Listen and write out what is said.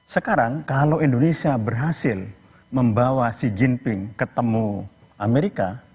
sekarang kalau indonesia berhasil membawa xi jinping ketemu amerika